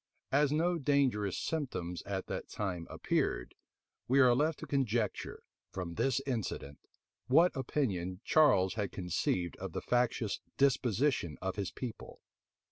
[*] As no dangerous symptoms at that time appeared, we are left to conjecture, from this incident, what opinion Charles had conceived of the factious disposition of his people.